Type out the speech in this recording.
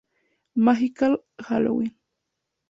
Magical Halloween